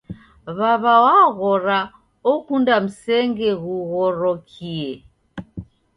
Wawa waghora okunda msenge ghughorokie